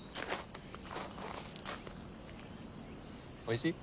おいしい？